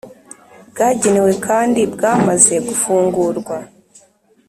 bwagenewe kandi bwamaze gufungurwa